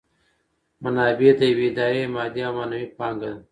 منابع د یوې ادارې مادي او معنوي پانګه ده.